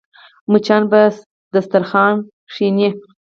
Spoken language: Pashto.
مچان پر دسترخوان کښېني